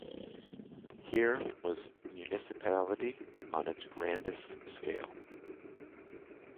Here was municipality on its grandest scale.